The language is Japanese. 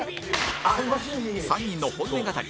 ３人の本音語り